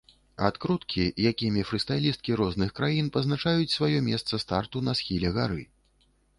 Адкруткі, якімі фрыстайлісткі розных краін пазначаюць сваё месца старту на схіле гары.